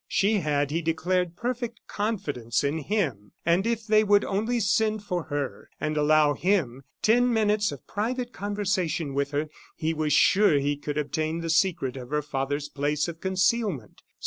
She had, he declared, perfect confidence in him; and if they would only send for her, and allow him ten minutes' private conversation with her, he was sure he could obtain the secret of her father's place of concealment.